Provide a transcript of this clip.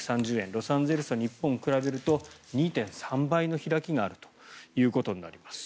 ロサンゼルスと日本を比べると２．３倍の開きがあるということになります。